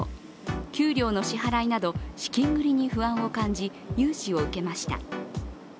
給料の支払いなど、資金繰りに不安を感じ融資を受けました。